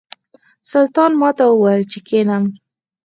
سلطان ماته وویل چې کښېنم.